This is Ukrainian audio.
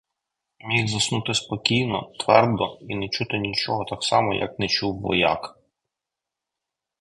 Міг заснути спокійно, твердо і не чути нічого так само, як не чув вояк.